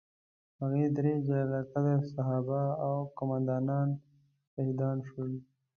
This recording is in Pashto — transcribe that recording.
هغه درې جلیل القدره صحابه او قوماندانان شهیدان شول.